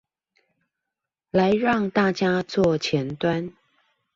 來讓大家做前端